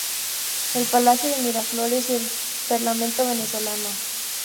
El Palacio de Miraflores y el Parlamento venezolano.